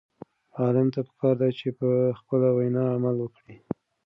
عالم ته پکار ده چې په خپله وینا عمل وکړي.